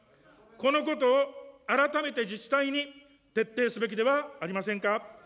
このことを改めて自治体に徹底すべきではありませんか。